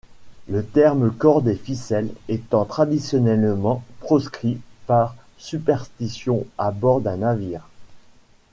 Le terme corde et ficelle étant traditionnellement proscrit par superstition à bord d'un navire.